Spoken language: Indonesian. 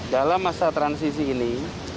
dalam masa transisi ini